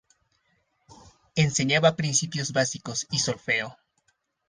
Enseñaba principio básicos y solfeo.